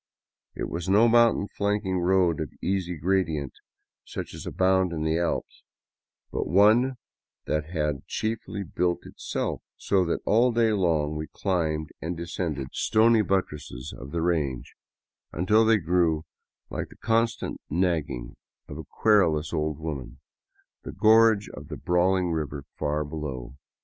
It was no mountain flank ing road of easy gradient, such as abound in the Alps, but one that had chiefly built itself ; so that all day long we climbed and descended stony 95 * VAGABONDING DOWN THE ANDES buttresses of the range, until they grew Hke the constant nagging of a querulous old woman, the gorge of the brawling river ever far below.